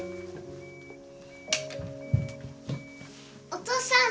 ・お父さん。